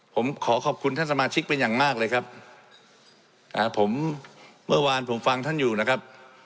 ผมขอขอบคุณท่านสมาชิกเป็นอย่างมากเลยครับอ่าผมเมื่อวานผมฟังท่านอยู่นะครับ